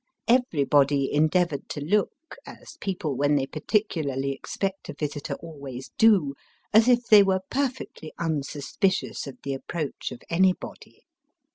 Everybody endeavoured to look as people when they particularly expect a visitor always do as if they were perfectly unsuspicious of the approach of anybody.